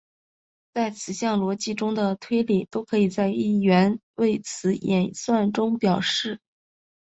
在词项逻辑中的推理都可以在一元谓词演算中表示。